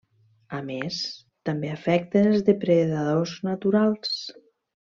A més també afecten els depredadors naturals.